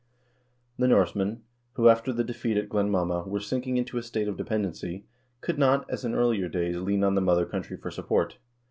The Norsemen, who, after the defeat at Glenmama, were sinking into a state of dependency, could not, as in earlier days, lean on the mother country for support.